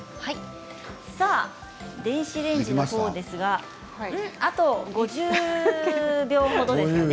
さあ、電子レンジのほうですがあと５０秒ほどですね。